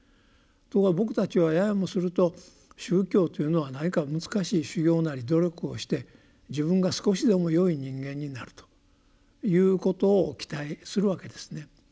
ところが僕たちはややもすると宗教というのは何か難しい修行なり努力をして自分が少しでもよい人間になるということを期待するわけですね。